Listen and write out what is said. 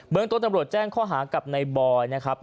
เมืองต้นตำรวจแจ้งข้อหากับในบอยนะครับ